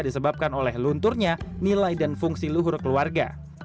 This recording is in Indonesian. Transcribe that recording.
disebabkan oleh lunturnya nilai dan fungsi luhur keluarga